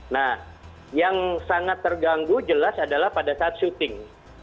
nah yang sangat terganggu jelas adalah pada saat syuting